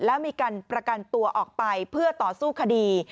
แล้วมีการประกันตัวออกไปเพื่อต่อสู้คดี